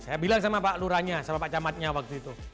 saya bilang sama pak luranya sama pak camatnya waktu itu